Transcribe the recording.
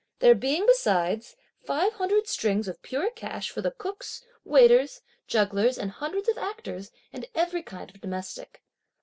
There being, besides, five hundred strings of pure cash for the cooks, waiters, jugglers and hundreds of actors and every kind of domestic.